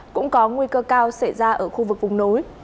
cũng có nguy cơ cao xảy ra ở khu vực vùng núi